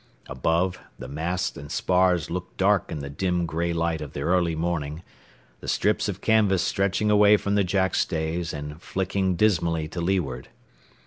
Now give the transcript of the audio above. Above, the masts and spars looked dark in the dim, gray light of the early morning, the strips of canvas stretching away from the jackstays and flicking dismally to leeward.